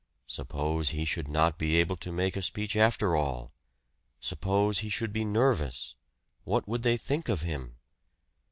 Suppose he should not be able to make a speech after all! Suppose he should be nervous! What would they think of him?